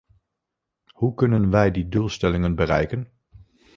Hoe kunnen wij die doelstellingen bereiken?